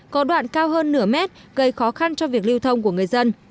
có đoạn cao hơn nửa mét gây khó khăn cho việc lưu thông của người dân